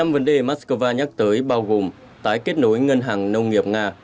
năm vấn đề moscow nhắc tới bao gồm tái kết nối ngân hàng nông nghiệp nga